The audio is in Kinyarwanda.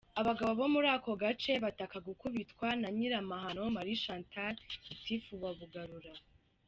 Abagabo bo muri ako gace bataka gukubitwa na Nyirahamano Marie Chantal, gitifu wa Bugarura.